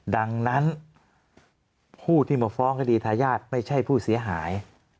ดังนั้นผู้ที่มาฟ้องคดีทายาทไม่ใช่ผู้เสียหาย